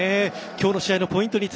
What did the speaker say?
今日の試合のポイント